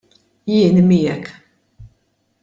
Jien miegħek!